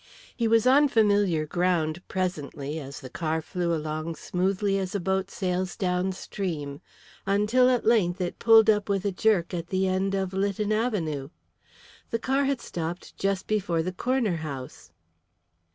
He was on familiar ground presently as the car flew along smoothly as a boat sails down stream, until at length it pulled up with a jerk at the end of Lytton Avenue. The car had stopped just before the corner house!